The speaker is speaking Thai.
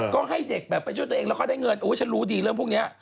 ก็ให้เด็กแบบไปช่วยตัวเองแล้วก็ได้เงินโอ้ยฉันรู้ดีเรื่องพวกนี้